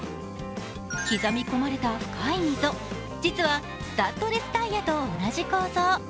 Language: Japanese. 刻み込まれた深い溝、実はスタッドレスタイヤと同じ構造。